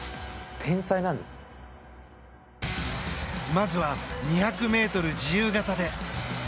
まずは２００ｍ自由形で。